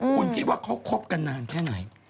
คุณคิดว่าเขาคบกันนานแค่ไหน